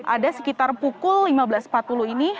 ada sekitar pukul lima belas empat puluh ini